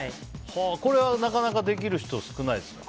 これはなかなかできる人少ないですか。